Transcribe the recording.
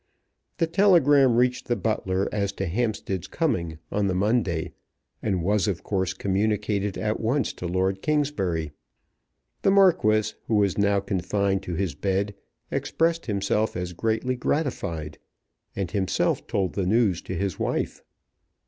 The telegram reached the butler as to Hampstead's coming on the Monday, and was, of course, communicated at once to Lord Kingsbury. The Marquis, who was now confined to his bed, expressed himself as greatly gratified, and himself told the news to his wife.